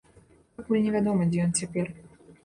Пакуль невядома, дзе ён цяпер.